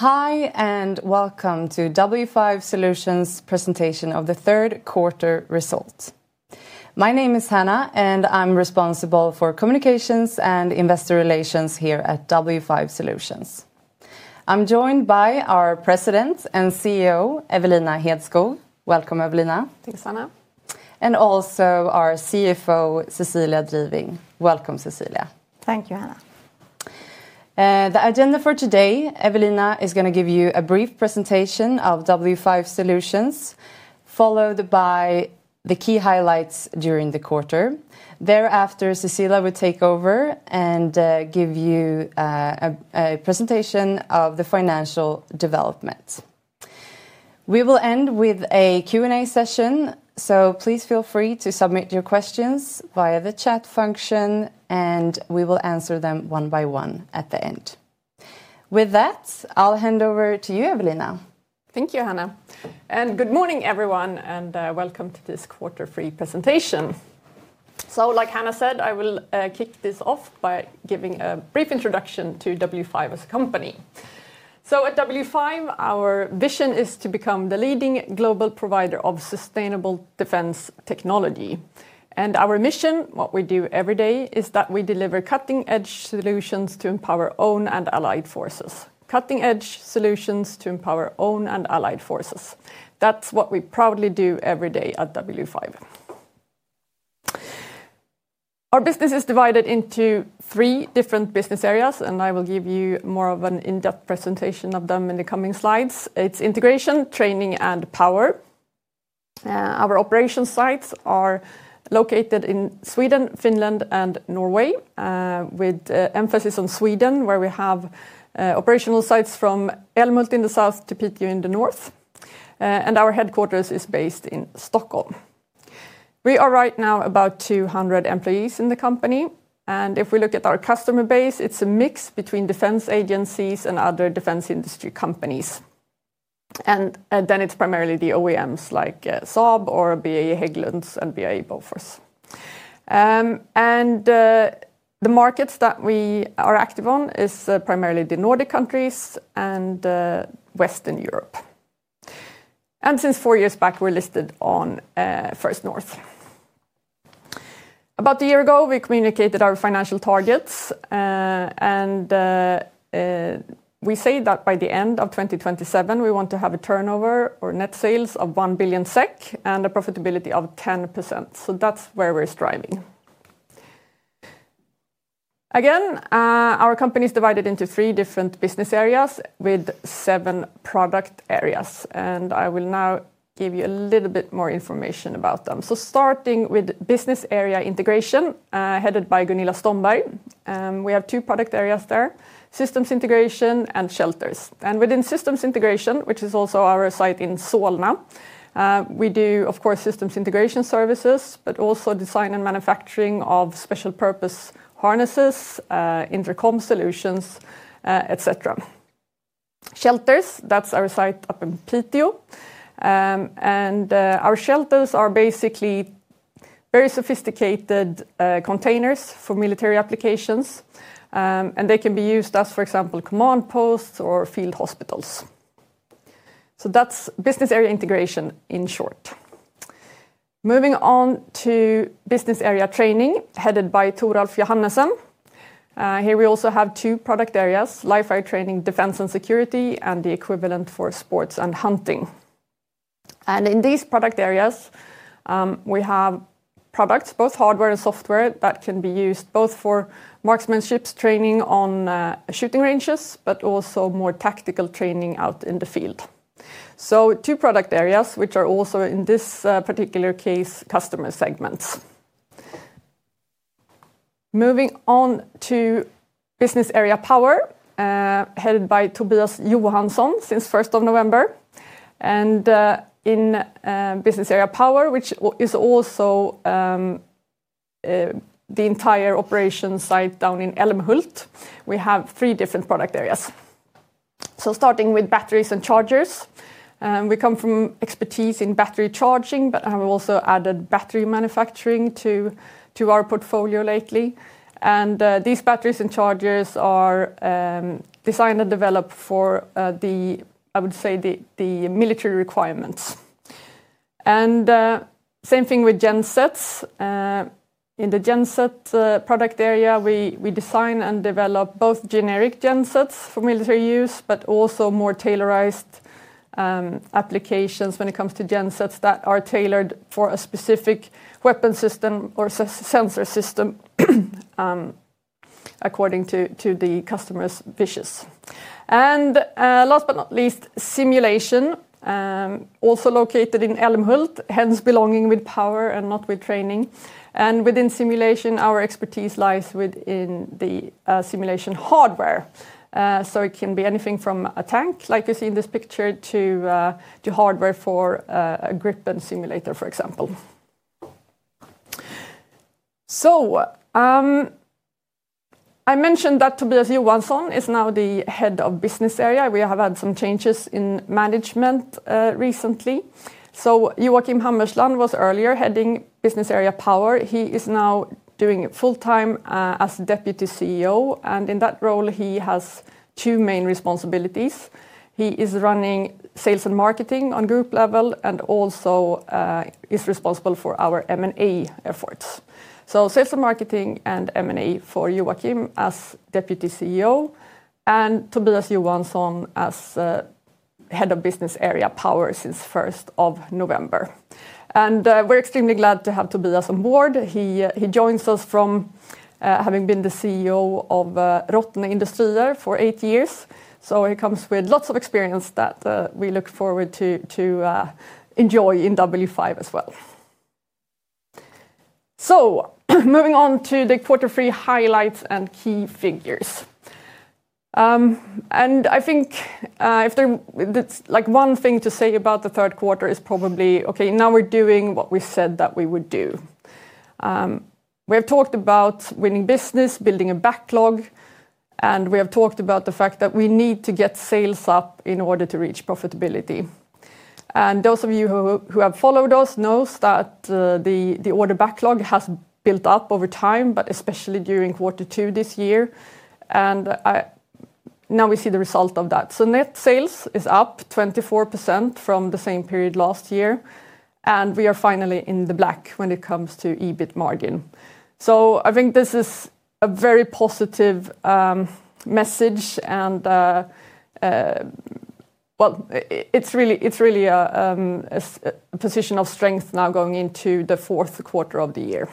Hi, and welcome to W5 Solutions' presentation of the third quarter result. My name is Hannah, and I'm responsible for communications and investor relations here at W5 Solutions. I'm joined by our President and CEO, Evelina Hedskog. Welcome, Evelina. Thanks, Hannah. Also our CFO, Cecilia Driving. Welcome, Cecilia. Thank you, Hannah. The agenda for today, Evelina is going to give you a brief presentation of W5 Solutions, followed by the key highlights during the quarter. Thereafter, Cecilia will take over and give you a presentation of the financial development. We will end with a Q&A session, so please feel free to submit your questions via the chat function, and we will answer them one by one at the end. With that, I'll hand over to you, Evelina. Thank you, Hannah. Good morning, everyone, and welcome to this quarter three presentation. Like Hannah said, I will kick this off by giving a brief introduction to W5 as a company. At W5, our vision is to become the leading global provider of sustainable defense technology. Our mission, what we do every day, is that we deliver cutting-edge solutions to empower owned and allied forces. Cutting-edge solutions to empower owned and allied forces. That is what we proudly do every day at W5. Our business is divided into three different business areas, and I will give you more of an in-depth presentation of them in the coming slides. It is Integration, Training, and Power. Our operation sites are located in Sweden, Finland, and Norway, with emphasis on Sweden, where we have operational sites from Älmhult in the south to Piteå in the north. Our headquarters is based in Stockholm. We are right now about 200 employees in the company. If we look at our customer base, it is a mix between defense agencies and other defense industry companies. It is primarily the OEMs like Saab or BAE Hägglunds and BAE Bofors. The markets that we are active on are primarily the Nordic countries and Western Europe. Since four years back, we are listed on First North. About a year ago, we communicated our financial targets. We say that by the end of 2027, we want to have a turnover or net sales of 1 billion SEK and a profitability of 10%. That is where we are striving. Our company is divided into three different business areas with seven product areas. I will now give you a little bit more information about them. Starting with business area integration, headed by Gunilla Stomberg, we have two product areas there: Systems Integration and Shelters. Within Systems Integration, which is also our site in Solna, we do, of course, systems integration services, but also design and manufacturing of special purpose harnesses, intercom solutions, etc. Shelters, that's our site up in Piteå. Our Shelters are basically very sophisticated containers for military applications. They can be used as, for example, command posts or field hospitals. That is business area integration in short. Moving on to business area training, headed by Toralf Johannessen. Here we also have two product areas: Live Fire Training, Defence & Security, and the equivalent for Sports & Hunting. In these product areas, we have products, both hardware and software, that can be used both for marksmanship training on shooting ranges, but also more tactical training out in the field. Two product areas, which are also in this particular case, customer segments. Moving on to Business Area Power. Headed by Tobias Johansson since 1st of November. In Business Area Power, which is also the entire operation site down in Älmhult, we have three different product areas. Starting with Batteries & Chargers, we come from expertise in battery charging, but have also added battery manufacturing to our portfolio lately. These Batteries & Chargers are designed and developed for the, I would say, the military requirements. Same thing with Gensets. In the Genset product area, we design and develop both generic Gensets for military use, but also more tailorized applications when it comes to Gensets that are tailored for a specific weapon system or sensor system according to the customer's wishes. Last but not least, Simulation. Also located in Älmhult, hence belonging with Power and not with Training. Within Simulation, our expertise lies within the Simulation hardware. It can be anything from a tank, like you see in this picture, to hardware for a grip and simulator, for example. I mentioned that Tobias Johansson is now the Head of Business Area. We have had some changes in management recently. Joachim Hammersland was earlier heading Business Area Power. He is now doing it full time as Deputy CEO. In that role, he has two main responsibilities. He is running Sales and Marketing on Group level and also is responsible for our M&A efforts. Sales and Marketing and M&A for Joachim as Deputy CEO and Tobias Johansson as Head of Business Area Power since 1st of November. We are extremely glad to have Tobias on board. He joins us from. Having been the CEO of Rottne Industri for eight years. He comes with lots of experience that we look forward to enjoy in W5 as well. Moving on to the quarter three highlights and key figures. I think if there's like one thing to say about the third quarter, it's probably, okay, now we're doing what we said that we would do. We have talked about winning business, building a backlog. We have talked about the fact that we need to get sales up in order to reach profitability. Those of you who have followed us know that the order backlog has built up over time, but especially during quarter two this year. Now we see the result of that. Net sales is up 24% from the same period last year. We are finally in the black when it comes to EBIT margin. I think this is a very positive message. It is really a position of strength now going into the fourth quarter of the year.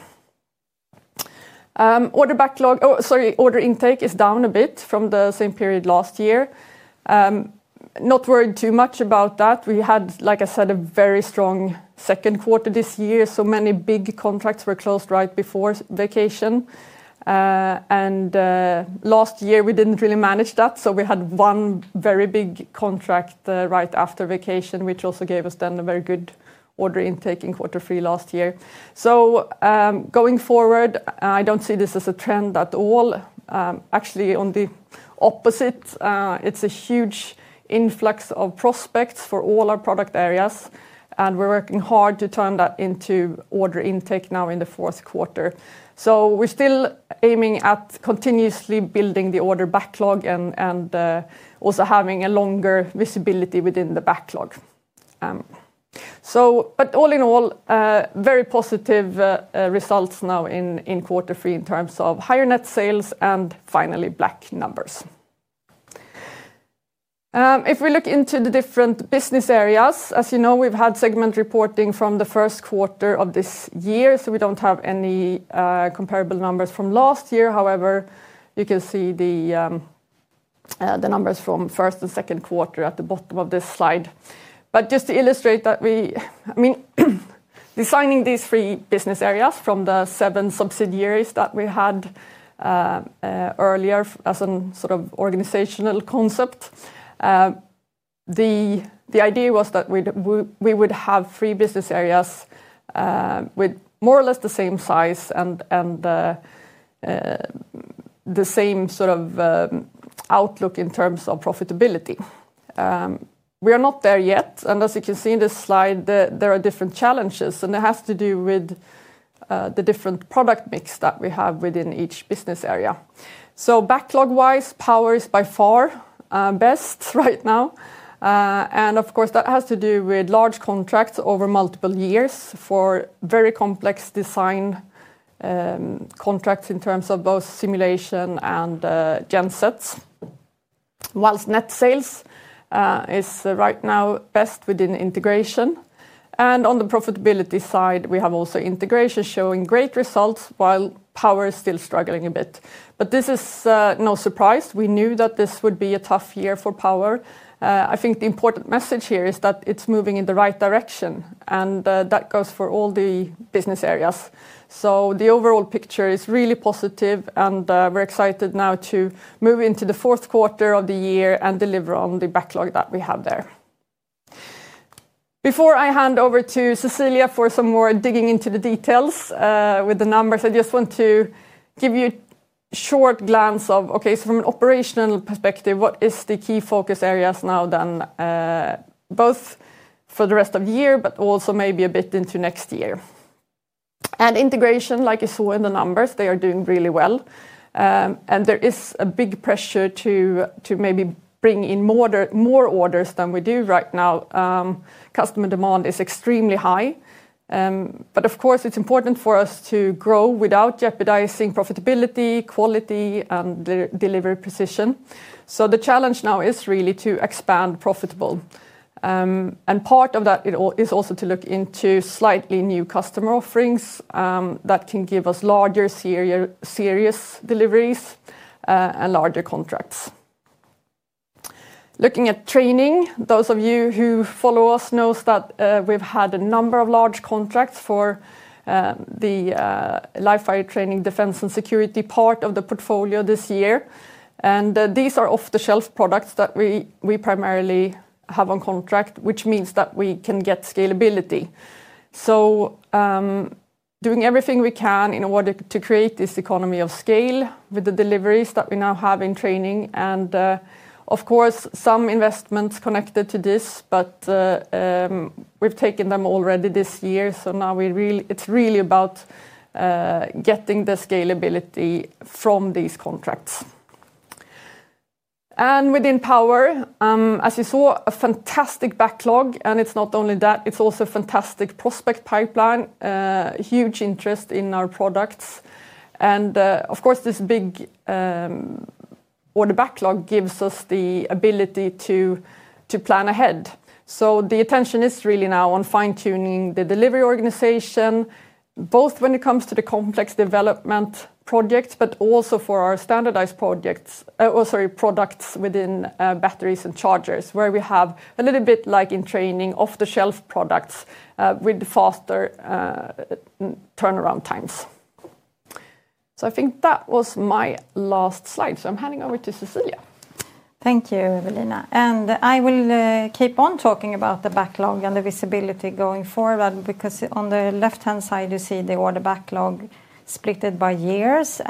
Order intake is down a bit from the same period last year. I am not worried too much about that. Like I said, we had a very strong second quarter this year. Many big contracts were closed right before vacation. Last year we did not really manage that. We had one very big contract right after vacation, which also gave us a very good order intake in quarter three last year. Going forward, I do not see this as a trend at all. Actually, on the opposite, it is a huge influx of prospects for all our product areas. We are working hard to turn that into order intake now in the fourth quarter. We are still aiming at continuously building the order backlog and also having a longer visibility within the backlog. All in all, very positive results now in quarter three in terms of higher net sales and finally black numbers. If we look into the different business areas, as you know, we have had segment reporting from the first quarter of this year. We do not have any comparable numbers from last year. However, you can see the numbers from first and second quarter at the bottom of this slide. Just to illustrate that we, I mean, designing these three business areas from the seven subsidiaries that we had earlier as a sort of organizational concept, the idea was that we would have three business areas with more or less the same size and. The same sort of outlook in terms of profitability. We are not there yet. As you can see in this slide, there are different challenges. It has to do with the different product mix that we have within each business area. Backlog-wise, Power is by far best right now. Of course, that has to do with large contracts over multiple years for very complex design contracts in terms of both Simulation and Gensets. Whilst net sales is right now best within Integration. On the profitability side, we have also Integration showing great results while Power is still struggling a bit. This is no surprise. We knew that this would be a tough year for Power. I think the important message here is that it is moving in the right direction. That goes for all the business areas. The overall picture is really positive. We're excited now to move into the fourth quarter of the year and deliver on the backlog that we have there. Before I hand over to Cecilia for some more digging into the details with the numbers, I just want to give you a short glance of, okay, from an operational perspective, what is the key focus areas now then. Both for the rest of the year, but also maybe a bit into next year? Integration, like you saw in the numbers, they are doing really well. There is a big pressure to maybe bring in more orders than we do right now. Customer demand is extremely high. Of course, it's important for us to grow without jeopardizing profitability, quality, and delivery precision. The challenge now is really to expand profitable. Part of that is also to look into slightly new customer offerings that can give us larger serious deliveries and larger contracts. Looking at Training, those of you who follow us know that we've had a number of large contracts for the Live Fire Training Defence & Security part of the portfolio this year. These are off-the-shelf products that we primarily have on contract, which means that we can get scalability. Doing everything we can in order to create this economy of scale with the deliveries that we now have in training. Of course, some investments are connected to this, but we've taken them already this year. Now it's really about getting the scalability from these contracts. Within Power, as you saw, a fantastic backlog. It's not only that, it's also a fantastic prospect pipeline, huge interest in our products. Of course, this big order backlog gives us the ability to plan ahead. The attention is really now on fine-tuning the delivery organization, both when it comes to the complex development projects, but also for our standardized products within Batteries & Chargers, where we have a little bit like in training off-the-shelf products with faster turnaround times. I think that was my last slide. I am handing over to Cecilia. Thank you, Evelina. I will keep on talking about the backlog and the visibility going forward because on the left-hand side, you see the order backlog split by years.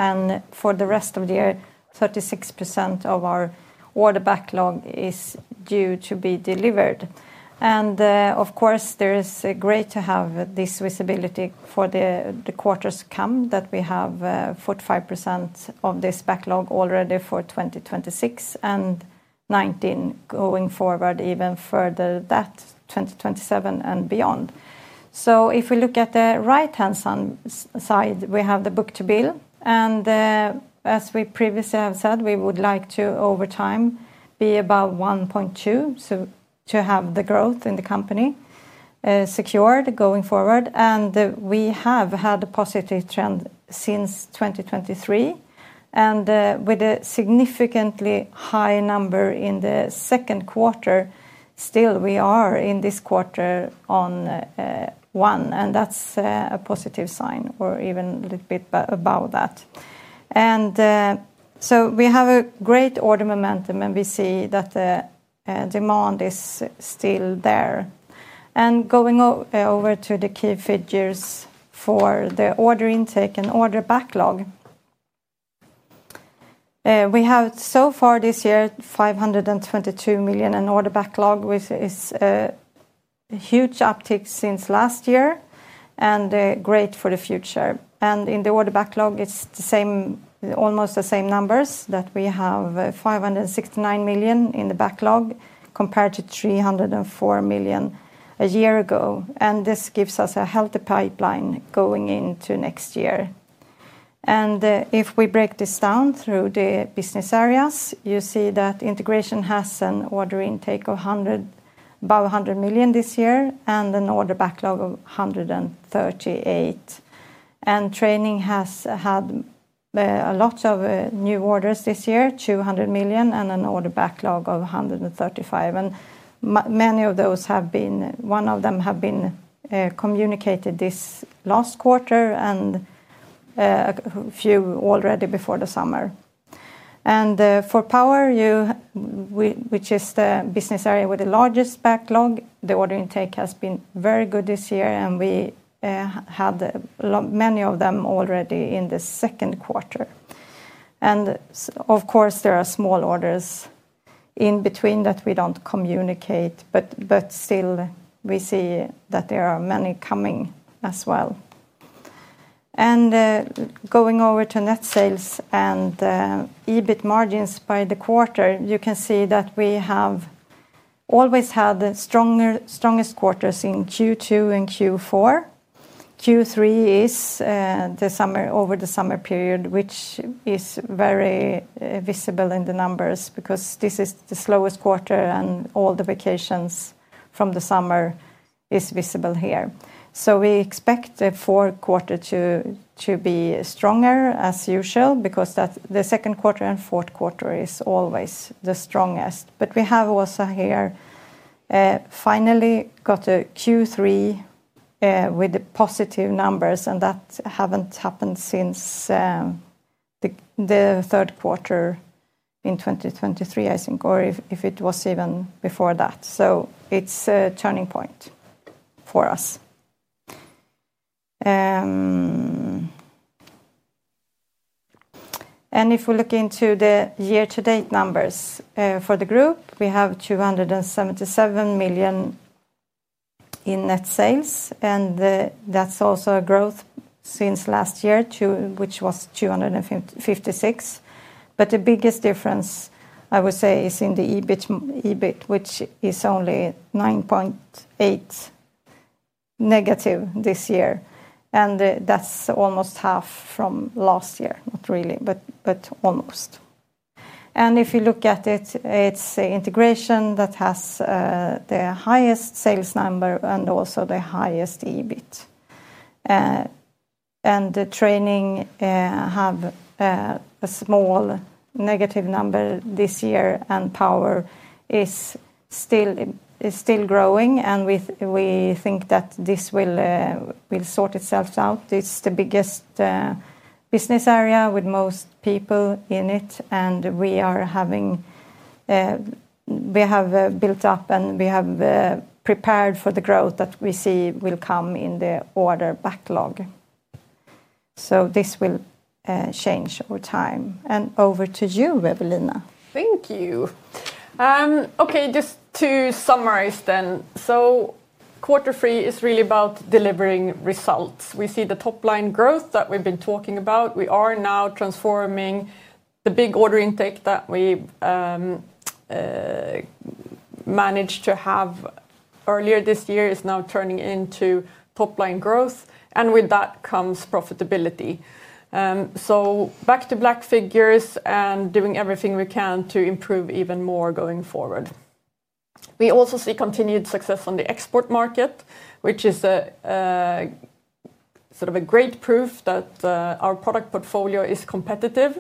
For the rest of the year, 36% of our order backlog is due to be delivered. Of course, it is great to have this visibility for the quarters to come that we have 45% of this backlog already for 2026 and. 2019 going forward, even further that, 2027 and beyond. If we look at the right-hand side, we have the book-to-bill. As we previously have said, we would like to over time be about 1.2 to have the growth in the company secured going forward. We have had a positive trend since 2023, with a significantly high number in the second quarter. Still, we are in this quarter on one, and that's a positive sign or even a little bit above that. We have a great order momentum and we see that demand is still there. Going over to the key figures for the order intake and order backlog, we have so far this year 522 million in order backlog, which is a huge uptick since last year and great for the future. In the order backlog, it is almost the same numbers that we have 569 million in the backlog compared to 304 million a year ago. This gives us a healthy pipeline going into next year. If we break this down through the business areas, you see that Integration has an order intake of about 100 million this year and an order backlog of 138 million. Training has had lots of new orders this year, 200 million, and an order backlog of 135 million. Many of those have been, one of them has been communicated this last quarter and a few already before the summer. For Power, which is the business area with the largest backlog, the order intake has been very good this year and we had many of them already in the second quarter. Of course, there are small orders. In between that we do not communicate, but still we see that there are many coming as well. Going over to net sales and EBIT margins by the quarter, you can see that we have always had the strongest quarters in Q2 and Q4. Q3 is the summer, over the summer period, which is very visible in the numbers because this is the slowest quarter and all the vacations from the summer are visible here. We expect the fourth quarter to be stronger as usual because the second quarter and fourth quarter are always the strongest. We have also here finally got a Q3 with positive numbers, and that has not happened since the third quarter in 2023, I think, or if it was even before that. It is a turning point for us. If we look into the year-to-date numbers for the Group, we have 277 million. In net sales. That is also a growth since last year, which was 256 million. The biggest difference, I would say, is in the EBIT, which is only -9.8 million this year. That is almost half from last year, not really, but almost. If you look at it, it is Integration that has the highest sales number and also the highest EBIT. The Training has a small negative number this year. Power is still growing. We think that this will sort itself out. It is the biggest business area with most people in it. We have built up and we have prepared for the growth that we see will come in the order backlog. This will change over time. Over to you, Evelina. Thank you. Okay, just to summarize then. Quarter three is really about delivering results. We see the top-line growth that we've been talking about. We are now transforming the big order intake that we managed to have earlier this year is now turning into top-line growth. With that comes profitability. Back to black figures and doing everything we can to improve even more going forward. We also see continued success on the export market, which is sort of a great proof that our product portfolio is competitive.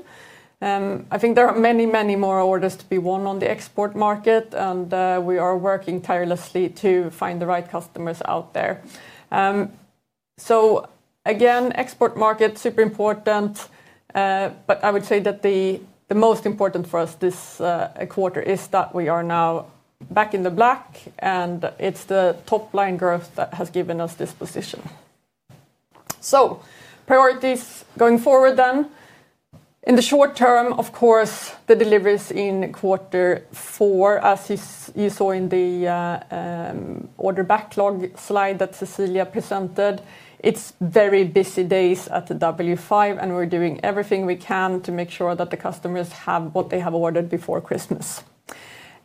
I think there are many, many more orders to be won on the export market. We are working tirelessly to find the right customers out there. Again, export market, super important. I would say that the most important for us this quarter is that we are now back in the black. It is the top-line growth that has given us this position. Priorities going forward then. In the short term, of course, the deliveries in quarter four, as you saw in the order backlog slide that Cecilia presented. It's very busy days at W5. We are doing everything we can to make sure that the customers have what they have ordered before Christmas.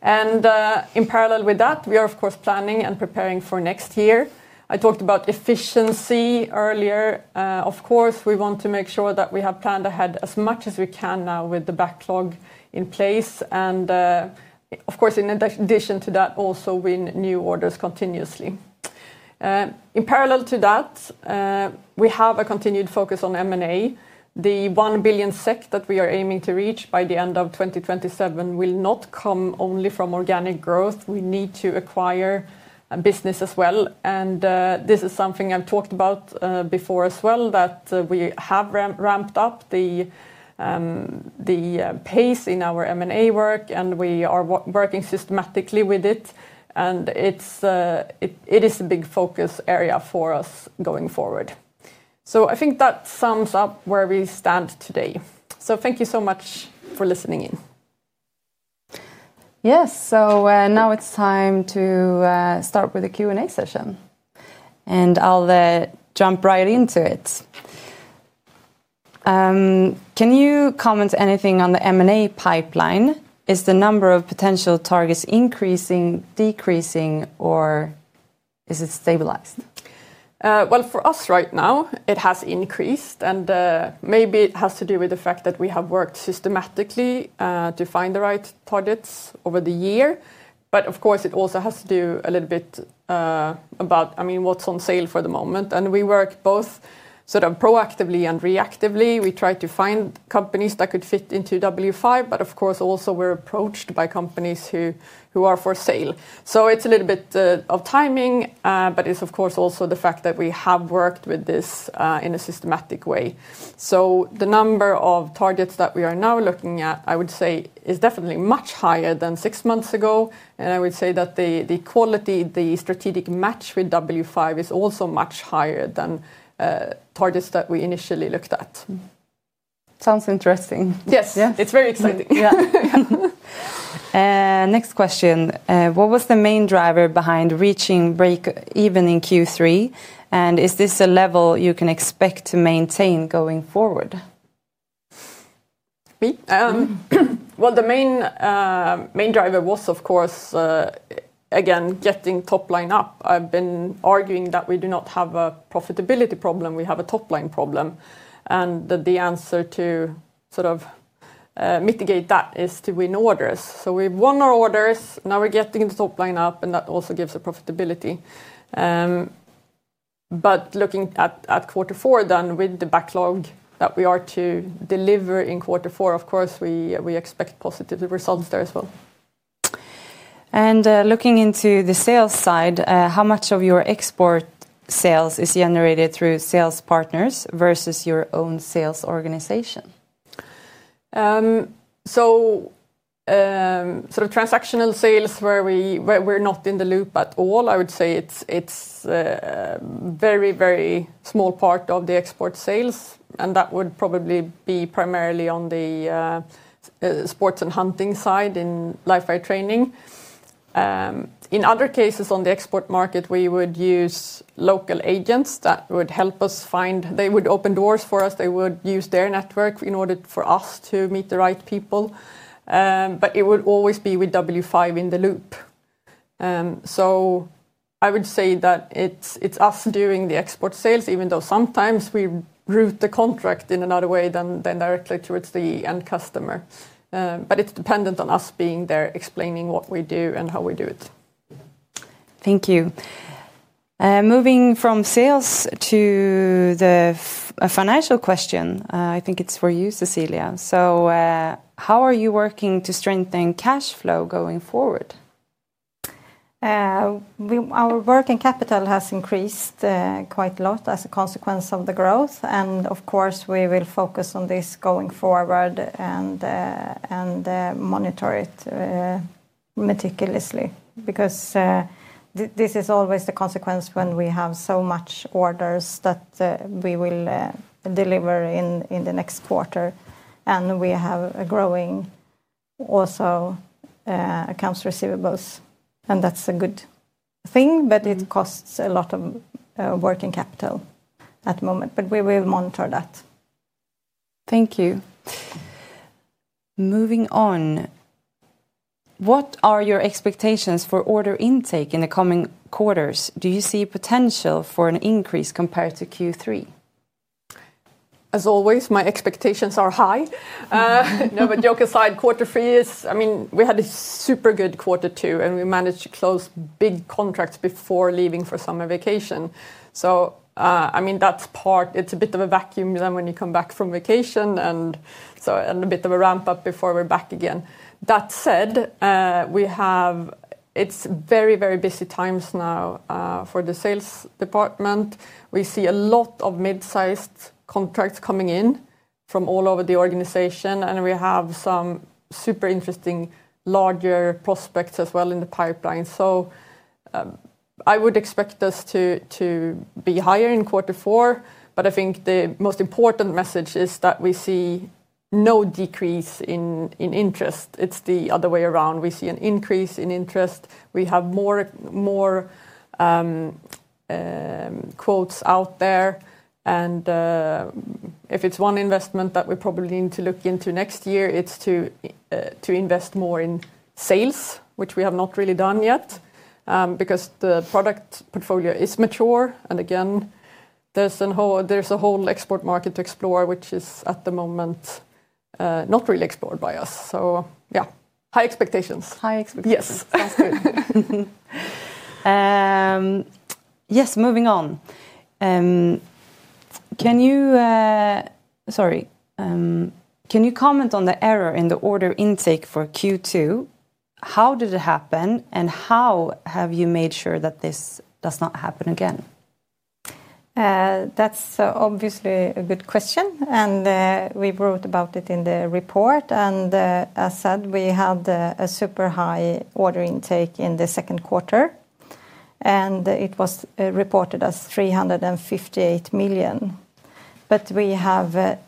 In parallel with that, we are, of course, planning and preparing for next year. I talked about efficiency earlier. Of course, we want to make sure that we have planned ahead as much as we can now with the backlog in place. Of course, in addition to that, also win new orders continuously. In parallel to that, we have a continued focus on M&A. The 1 billion SEK that we are aiming to reach by the end of 2027 will not come only from organic growth. We need to acquire business as well. This is something I've talked about before as well, that we have ramped up the pace in our M&A work. We are working systematically with it. It is a big focus area for us going forward. I think that sums up where we stand today. Thank you so much for listening in. Yes, now it's time to start with the Q&A session. I'll jump right into it. Can you comment anything on the M&A pipeline? Is the number of potential targets increasing, decreasing, or is it stabilized? For us right now, it has increased. Maybe it has to do with the fact that we have worked systematically to find the right targets over the year. Of course, it also has to do a little bit about, I mean, what's on sale for the moment. We work both sort of proactively and reactively. We try to find companies that could fit into W5. Of course, also we're approached by companies who are for sale. It's a little bit of timing. It's also the fact that we have worked with this in a systematic way. The number of targets that we are now looking at, I would say, is definitely much higher than six months ago. I would say that the quality, the strategic match with W5, is also much higher than targets that we initially looked at. Sounds interesting. Yes. It's very exciting. Yeah. Next question. What was the main driver behind reaching break even in Q3? Is this a level you can expect to maintain going forward? The main driver was, of course, again, getting top line up. I've been arguing that we do not have a profitability problem. We have a top line problem. The answer to sort of mitigate that is to win orders. We've won our orders. Now we're getting the top line up. That also gives us profitability. Looking at quarter four then, with the backlog that we are to deliver in quarter four, of course, we expect positive results there as well. Looking into the sales side, how much of your export sales is generated through sales partners versus your own sales organization? Sort of transactional sales where we're not in the loop at all, I would say it's a very, very small part of the export sales. That would probably be primarily on the Sports & Hunting side in Live Fire Training. In other cases on the export market, we would use local agents that would help us find. They would open doors for us. They would use their network in order for us to meet the right people. It would always be with W5 in the loop. I would say that it's us doing the export sales, even though sometimes we route the contract in another way than directly through to the end customer. It is dependent on us being there explaining what we do and how we do it. Thank you. Moving from sales to the financial question, I think it's for you, Cecilia. How are you working to strengthen cash flow going forward? Our working capital has increased quite a lot as a consequence of the growth. Of course, we will focus on this going forward and monitor it meticulously because. This is always the consequence when we have so many orders that we will deliver in the next quarter. We have a growing, also, accounts receivables. That is a good thing, but it costs a lot of working capital at the moment. We will monitor that. Thank you. Moving on. What are your expectations for order intake in the coming quarters? Do you see potential for an increase compared to Q3? As always, my expectations are high. No, but joke aside, quarter three is, I mean, we had a super good quarter two and we managed to close big contracts before leaving for summer vacation. I mean, that is part, it is a bit of a vacuum then when you come back from vacation and a bit of a ramp up before we are back again. That said, we have, it is very, very busy times now for the sales department. We see a lot of mid-sized contracts coming in from all over the organization. We have some super interesting larger prospects as well in the pipeline. I would expect us to be higher in quarter four. I think the most important message is that we see no decrease in interest. It's the other way around. We see an increase in interest. We have more quotes out there. If it's one investment that we probably need to look into next year, it's to invest more in sales, which we have not really done yet because the product portfolio is mature. Again, there's a whole export market to explore, which is at the moment not really explored by us. Yeah, high expectations. High expectations. Yes. Sounds good. Yes. Moving on. Can you—sorry—can you comment on the error in the order intake for Q2? How did it happen and how have you made sure that this does not happen again? That's obviously a good question. We wrote about it in the report. As said, we had a super high order intake in the second quarter. It was reported as 358 million. We have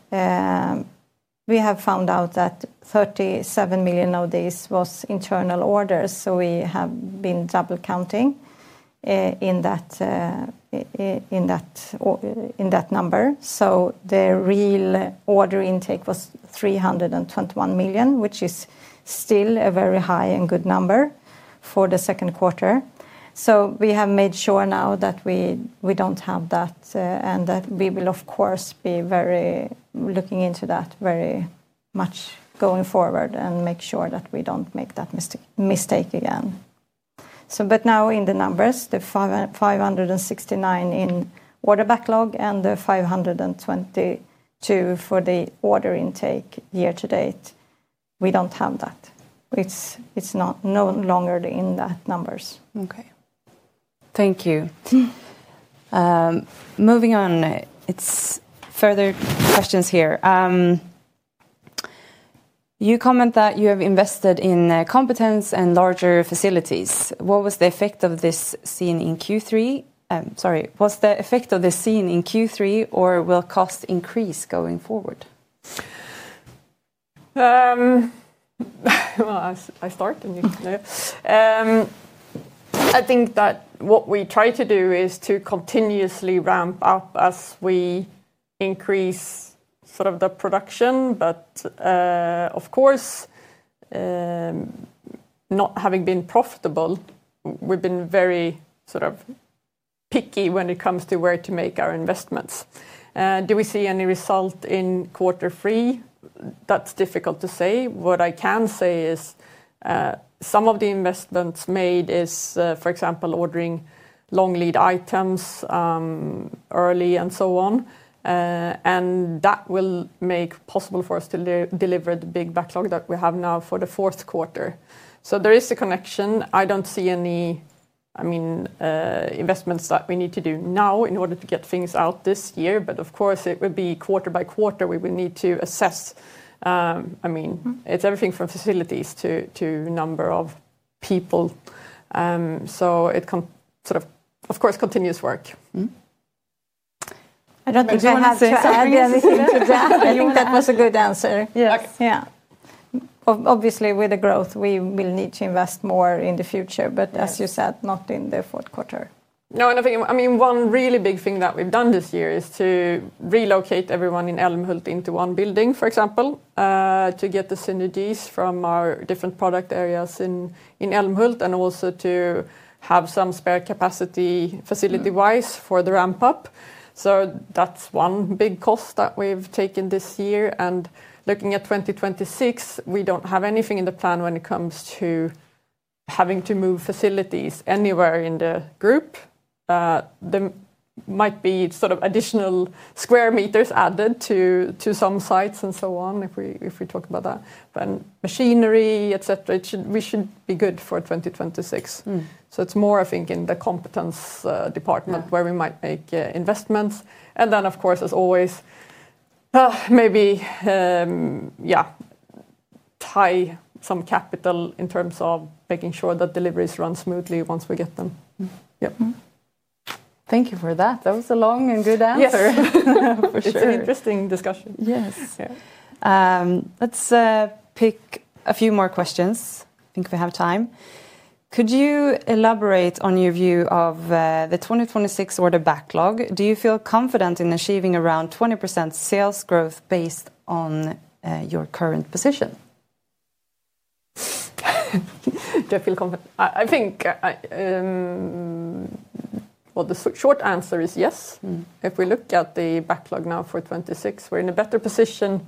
found out that 37 million of these was internal orders, so we have been double counting in that number. The real order intake was 321 million, which is still a very high and good number for the second quarter. We have made sure now that we do not have that and that we will, of course, be looking into that very much going forward and make sure that we do not make that mistake again. Now in the numbers, the 569 million in order backlog and the 522 million for the order intake year to date, we do not have that. It is no longer in those numbers. Okay. Thank you. Moving on, there are further questions here. You comment that you have invested in competence and larger facilities. Was the effect of this seen in Q3? Sorry, was the effect of this seen in Q3 or will costs increase going forward? I start and you can. I think that what we try to do is to continuously ramp up as we increase sort of the production. Of course, not having been profitable, we have been very sort of picky when it comes to where to make our investments. Do we see any result in quarter three? That is difficult to say. What I can say is. Some of the investments made is, for example, ordering long lead items early and so on. That will make possible for us to deliver the big backlog that we have now for the fourth quarter. There is a connection. I do not see any, I mean, investments that we need to do now in order to get things out this year. Of course, it would be quarter by quarter. We would need to assess. I mean, it is everything from facilities to number of people. It sort of, of course, continues work. I do not think I have to add anything to that. I think that was a good answer. Yeah. Obviously, with the growth, we will need to invest more in the future. As you said, not in the fourth quarter. No, and I think, I mean, one really big thing that we've done this year is to relocate everyone in Älmhult into one building, for example, to get the synergies from our different product areas in Älmhult and also to have some spare capacity facility-wise for the ramp up. That's one big cost that we've taken this year. Looking at 2026, we don't have anything in the plan when it comes to having to move facilities anywhere in the Group. There might be sort of additional square meters added to some sites and so on if we talk about that. Machinery, etc., we should be good for 2026. It's more, I think, in the competence department where we might make investments. Then, of course, as always, maybe, yeah, tie some capital in terms of making sure that deliveries run smoothly once we get them. Yeah. Thank you for that. That was a long and good answer. For sure. It's an interesting discussion. Yes. Let's pick a few more questions. I think we have time. Could you elaborate on your view of the 2026 order backlog? Do you feel confident in achieving around 20% sales growth based on your current position? Do I feel confident? I think. The short answer is yes. If we look at the backlog now for 2026, we're in a better position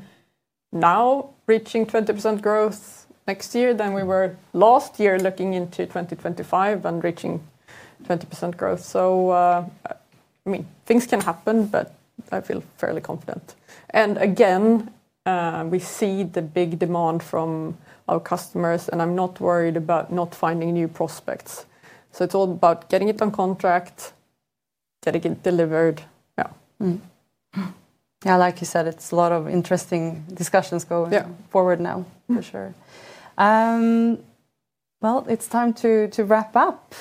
now reaching 20% growth next year than we were last year looking into 2025 and reaching 20% growth. I mean, things can happen, but I feel fairly confident. Again, we see the big demand from our customers. I'm not worried about not finding new prospects. It's all about getting it on contract. Getting it delivered. Yeah. Yeah, like you said, it's a lot of interesting discussions going forward now, for sure. It is time to wrap up.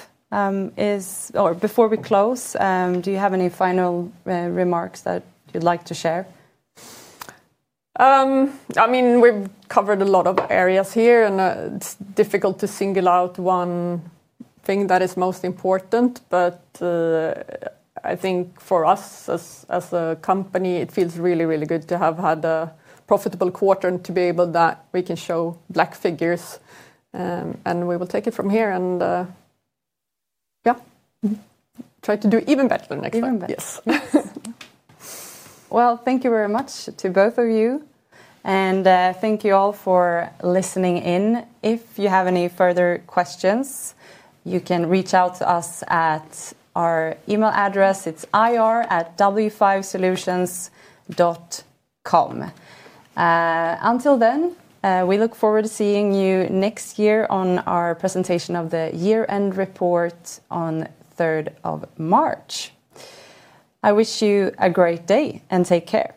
Before we close, do you have any final remarks that you'd like to share? I mean, we've covered a lot of areas here. It's difficult to single out one thing that is most important. I think for us as a company, it feels really, really good to have had a profitable quarter and to be able to show black figures. We will take it from here. Yeah. Try to do even better next time. Even better. Yes. Thank you very much to both of you. Thank you all for listening in. If you have any further questions, you can reach out to us at our email address. It is ir@w5solutions.com. Until then, we look forward to seeing you next year on our presentation of the year-end report on 3rd of March. I wish you a great day and take care.